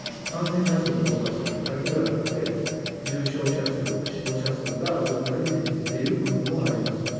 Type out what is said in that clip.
感染者数が増加するだけではなくて、重症者数、死亡者数が増加に転じている国もあります。